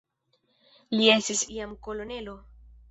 Li estis jam kolonelo.